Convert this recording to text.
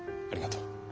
ありがとう。